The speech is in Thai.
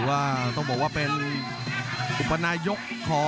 รับทราบบรรดาศักดิ์